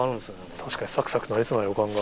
確かにサクサクなりそうな予感が。